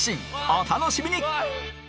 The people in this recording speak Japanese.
お楽しみに！